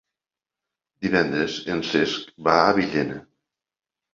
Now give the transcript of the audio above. Divendres en Cesc va a Villena.